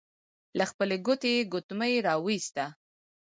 له خپلې ګوتې يې ګوتمۍ را وايسته.